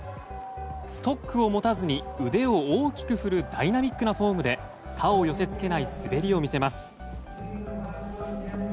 ストックを持たずに腕を大きく振るダイナミックなフォームで他を寄せ付けない滑りを見せます。